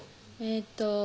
えっと